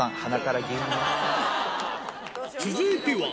続いては。